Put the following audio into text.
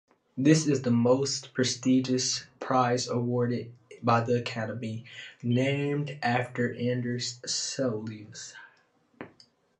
This is the most prestigious prize awarded by the Academy, named after Anders Celsius.